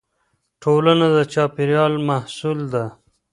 ټولنه د چاپېريال محصول ده.